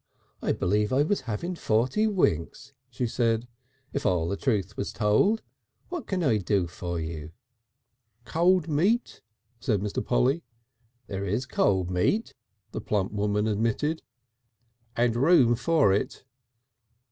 "I believe I was having forty winks," she said, "if all the truth was told. What can I do for you?" "Cold meat?" said Mr. Polly. "There is cold meat," the plump woman admitted. "And room for it."